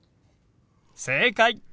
正解！